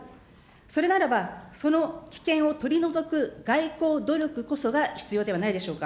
それならば、その危険を取り除く外交努力こそが必要ではないでしょうか。